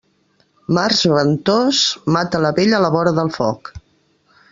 Març ventós mata la vella a la vora del foc.